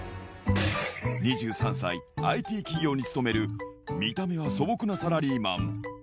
２３歳、ＩＴ企業に勤める、見た目は素朴なサラリーマン。